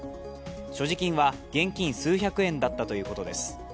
所持金は現金数百円だったということです。